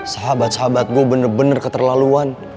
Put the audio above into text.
sahabat sahabat gue bener bener keterlaluan